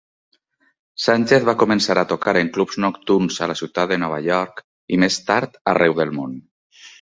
Sánchez va començar a tocar en clubs nocturns a la ciutat de Nova York, i més tard arreu del món.